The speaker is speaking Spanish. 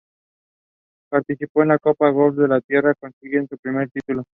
Participó en la Copa Golf de Tierra, consiguiendo su primer título.